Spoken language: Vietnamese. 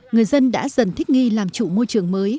người dân đã dần thích nghi làm chủ môi trường mới